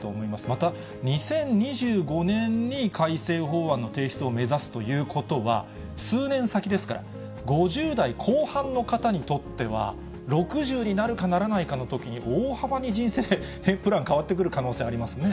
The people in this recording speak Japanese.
また、２０２５年に改正法案の提出を目指すということは、数年先ですから、５０代後半の方にとっては、６０になるかならないかのときに、大幅に人生プラン変わってくる可能性ありますね。